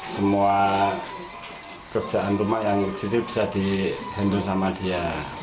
semua kerjaan rumah yang disitu bisa dihendong sama dia